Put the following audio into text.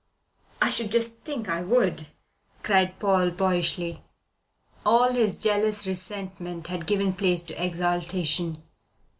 "I should just think I would," cried Paul boyishly. All his jealous resentment had given place to exultation.